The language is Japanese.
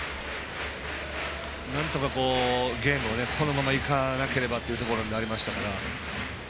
なんとか、ゲームをこのままいかなければというところになりましたから。